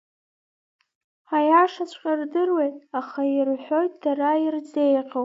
Аиашаҵәҟьа рдыруеит, аха ирҳәоит дара ирзеиӷьу.